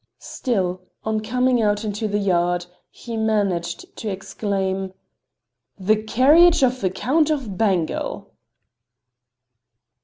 Still, on coming out into the yard, he managed to exclaim: "The carriage of the Count of Bengal!"